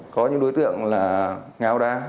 có những đối tượng là ngáo đá